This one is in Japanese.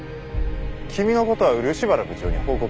君の事は漆原部長に報告する。